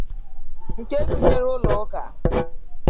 nke gụnyere ụlọụka